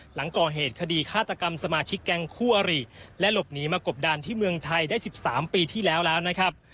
หลังก่อเหตุคดีฆาตกรรมสมาชิกแก๊งคู่อริและหลบหนีมากบดานที่เมืองไทยได้๑๓ปีที่แล้วแล้วนะครับ